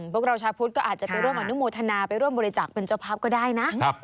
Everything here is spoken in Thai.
พวกเราชาวพุทธก็อาจจะไปร่วมอนุโมทนาไปร่วมบริจาคเป็นเจ้าภาพก็ได้นะ